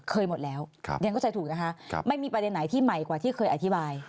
หมดแล้วเรียนเข้าใจถูกนะคะไม่มีประเด็นไหนที่ใหม่กว่าที่เคยอธิบาย